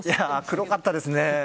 黒かったですね。